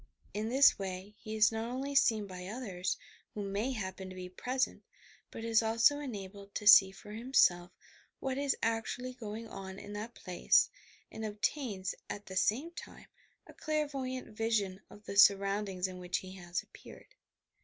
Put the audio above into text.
In this way he is not only seen by others, who may happen to be present, but is also enabled to see for himself what is actually going on in that place, and obtains, at the same time, a clairvoyant vision of the surroundings in which he has appeared.